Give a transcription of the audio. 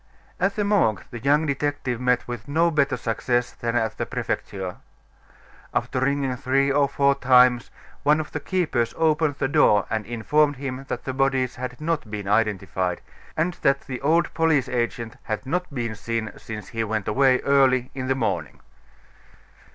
At the Morgue the young detective met with no better success than at the Prefecture. After ringing three or four times, one of the keepers opened the door and informed him that the bodies had not been identified, and that the old police agent had not been seen since he went away early in the morning.